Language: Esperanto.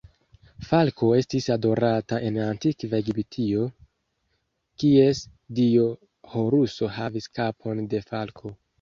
Falko estis adorata en antikva Egiptio, kies dio Horuso havis kapon de falko.